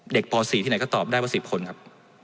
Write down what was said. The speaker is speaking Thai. ป๔ที่ไหนก็ตอบได้ว่า๑๐คนครับ